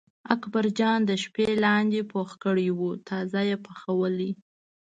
اکبرجان د شپې لاندی پوخ کړی و تازه یې پخولی.